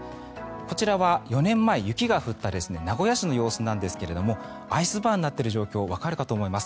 こちらは４年前、雪が降った名古屋市の様子なんですがアイスバーンになっている状況わかるかと思います。